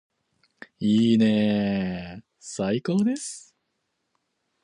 いいねーー最高です